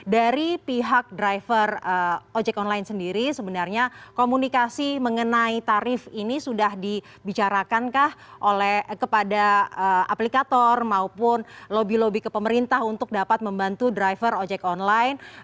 dari pihak driver ojek online sendiri sebenarnya komunikasi mengenai tarif ini sudah dibicarakan kah kepada aplikator maupun lobby lobby ke pemerintah untuk dapat membantu driver ojek online